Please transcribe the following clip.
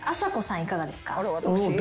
いかがですか？